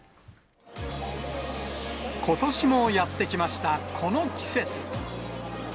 ことしもやって来ました、この季節。